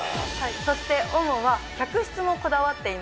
そしてＯＭＯは客室もこだわっています。